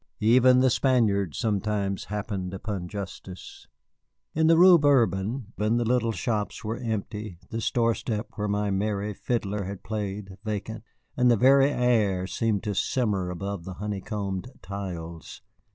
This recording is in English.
Even the Spaniards sometimes happened upon justice. In the Rue Bourbon the little shops were empty, the doorstep where my merry fiddler had played vacant, and the very air seemed to simmer above the honeycombed tiles.